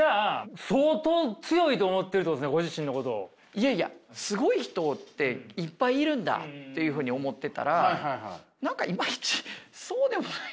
いやいやすごい人っていっぱいいるんだっていうふうに思ってたら何かイマイチそうでもない。